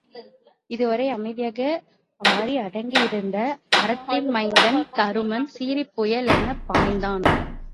இதுவரை அமைதியாக ஆறி அடங்கி இருந்த அறத்தின் மைந்தன் தருமன் சீறிப் புயல் எனப் பாய்ந்தான்.